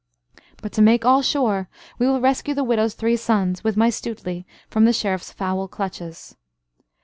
But to make all sure, we will rescue the widow's three sons with my Stuteley from the Sheriff's foul clutches."